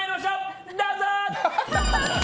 どうぞ！